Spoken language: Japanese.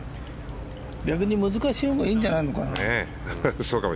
逆に難しいほうがいいんじゃないかな。